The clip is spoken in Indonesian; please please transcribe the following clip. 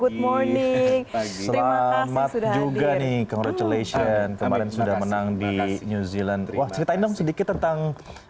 tiga ya memang